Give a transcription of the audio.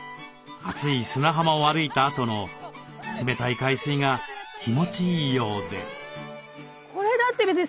熱い砂浜を歩いたあとの冷たい海水が気持ちいいようで。